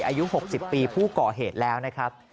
อายุ๖๐ปีผู้ก่อเหตุแล้วนะครับ